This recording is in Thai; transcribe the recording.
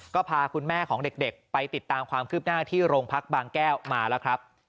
ก็พาคุณแม่ของเด็กไปติดตามความคืบหน้าที่โรงพักบางแก้วมาแล้วครับ